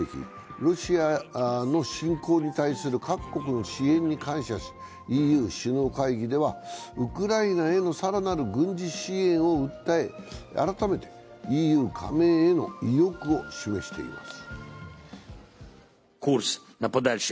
ロシアの侵攻に対する各国の支援に感謝し、ＥＵ首脳会議では、ウクライナへの更なる軍事支援を訴え、改めてＥＵ加盟への意欲を示しています。